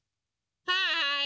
はい！